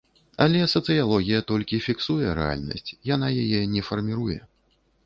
Але сацыялогія толькі фіксуе рэальнасць, яна яе не фарміруе.